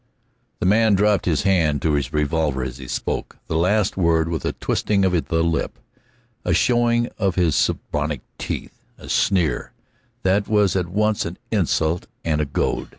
The man dropped his hand to his revolver as he spoke the last word with a twisting of the lip, a showing of his scorbutic teeth, a sneer that was at once an insult and a goad.